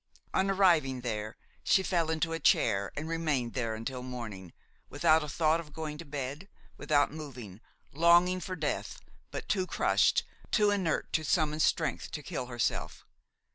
On arriving there, she fell into a chair and remained there until morning, without a thought of going to bed, without moving, longing for death but too crushed, too inert to summon strength to kill herself.